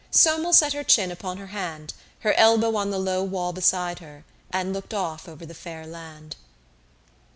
Somel set her chin upon her hand, her elbow on the low wall beside her, and looked off over the fair land.